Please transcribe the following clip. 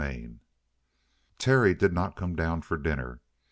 CHAPTER 8 Terry did not come down for dinner.